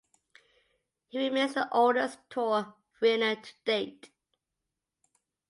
He remains the oldest Tour winner to date.